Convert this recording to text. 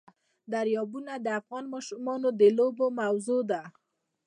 دریابونه د افغان ماشومانو د لوبو موضوع ده.